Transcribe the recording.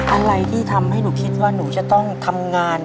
อะไรที่ทำให้หนูคิดว่าหนูจะต้องทำงาน